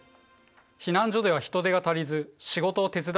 「避難所では人手が足りず仕事を手伝う毎日。